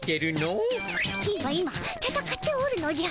金は今たたかっておるのじゃ。